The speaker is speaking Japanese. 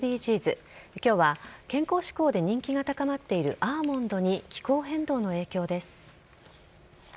今日は健康志向で人気が高まっているアーモンドに気候変動の影響です。